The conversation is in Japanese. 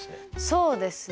そうですね